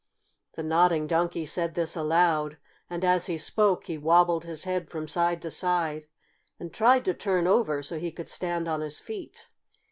The Nodding Donkey said this aloud, and, as he spoke, he wobbled his head from side to side and tried to turn over so he could stand on his feet.